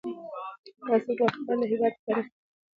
تاسو باید د خپل هېواد تاریخ په دقت سره ولولئ.